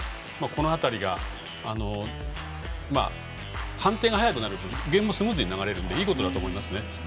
この辺りが判定が早くなるとゲームがスムーズに流れるのでいいことだと思います。